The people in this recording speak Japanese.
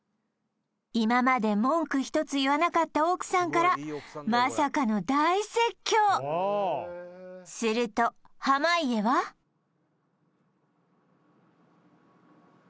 今まで文句一つ言わなかった奥さんからまさかの大説教すると濱家はえっ？